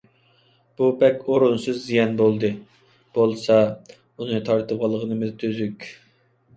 بۇ بەك ئورۇنسىز زىيان بولدى. بولسا، ئۇنى تارتىۋالغىنىمىز تۈزۈك،